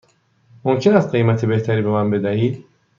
ممکن است قیمت بهتری به من بدهید؟